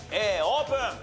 Ａオープン！